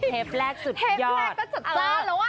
เทปแรกก็จัดจ้านแล้วอ่ะ